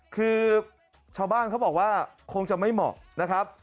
คือชาวบ้านเขาบอกว่าคงจะไม่เหมาะนะครับ